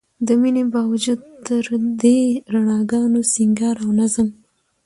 د مينې باوجود تر دې رڼاګانو، سينګار او نظم